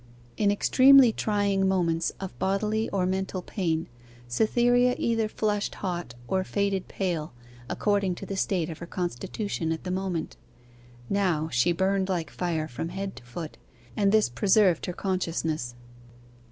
In extremely trying moments of bodily or mental pain, Cytherea either flushed hot or faded pale, according to the state of her constitution at the moment. Now she burned like fire from head to foot, and this preserved her consciousness.